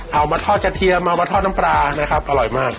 เอามาทอดกระเทียมเอามาทอดน้ำปลานะครับอร่อยมาก